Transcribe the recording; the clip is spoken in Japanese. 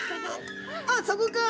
「あそこか」